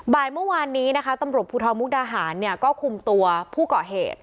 บ่ายเมื่อวานนี้นะคะตำรวจภูทรมุกดาหารเนี่ยก็คุมตัวผู้เกาะเหตุ